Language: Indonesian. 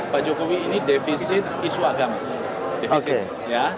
pak jokowi ini defisit isu agama